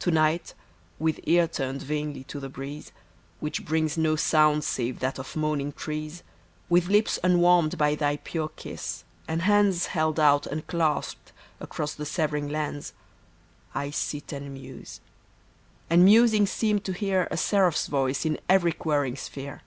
To night with ear turned vainly to the breeze. Which brings no sound save that of moaning trees, With Hps unwarmed by thy pure kiss, and hands Held out unclasped across the severing lands, I sit and muse, and musing seem to hear A seraph's voice in every quiring sphere.